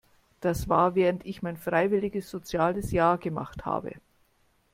Das war während ich mein freiwilliges soziales Jahr gemacht habe.